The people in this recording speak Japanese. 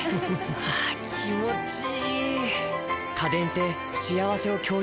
あ気持ちいい！